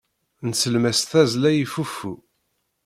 Nsellem-as tazzla i fuffu.